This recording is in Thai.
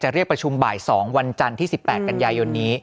เรียกประชุมบ่าย๒วันจันทร์ที่๑๘กันยายนนี้